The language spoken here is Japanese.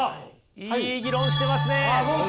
いい議論してますね。